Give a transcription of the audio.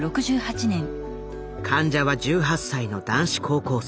患者は１８歳の男子高校生。